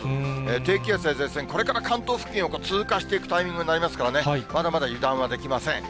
低気圧や前線、これから関東付近を通過していくタイミングになりますからね、まだまだ油断はできません。